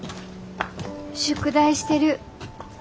宿題してる。